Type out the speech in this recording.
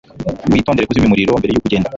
Witondere kuzimya umuriro mbere yuko ugenda.